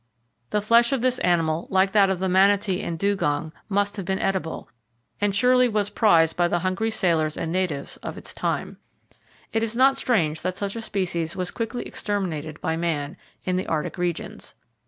The flesh of this animal, like that of the manatee and dugong, must have been edible, and surely was prized by the hungry sailors and natives of its time. It is not [Page 37] strange that such a species was quickly exterminated by man, in the arctic regions.